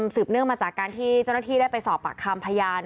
เนื่องมาจากการที่เจ้าหน้าที่ได้ไปสอบปากคำพยาน